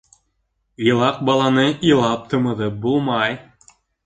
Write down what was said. Илаҡ баланы илап тымыҙып булмай.